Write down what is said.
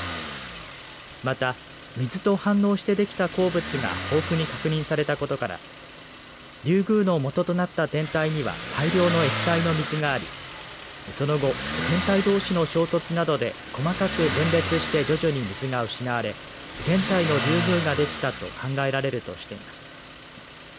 また、水と反応してできた鉱物が豊富に確認されたことからリュウグウの元となった天体には大量の液体の水がありその後天体どうしの衝突などで細かく分裂して徐々に水が失われ現在のリュウグウができたと考えられるとしています。